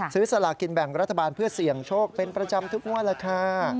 สลากินแบ่งรัฐบาลเพื่อเสี่ยงโชคเป็นประจำทุกงวดแล้วค่ะ